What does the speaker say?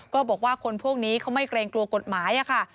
ก็บอกว่าคนพวกนี้เขาไม่เกรงกลัวกฎหมายค่ะ